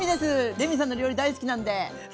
レミさんの料理大好きなんで。